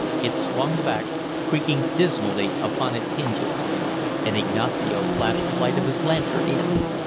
It swung back, creaking dismally upon its hinges. And Ignacio flashed the light of his lantern in.